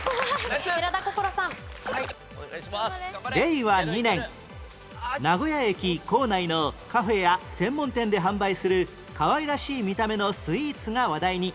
令和２年名古屋駅構内のカフェや専門店で販売するかわいらしい見た目のスイーツが話題に